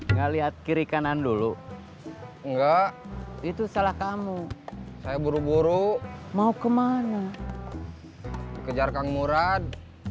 enggak lihat kiri kanan dulu enggak itu salah kamu saya buru buru mau kemana kejar kang murad